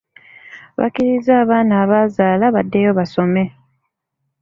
Bakiriza abaana abazaala baddeyo basome.